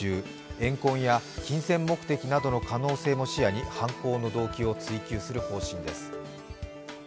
怨恨や金銭目的どの可能性も視野に犯行の動機を追及する方針です。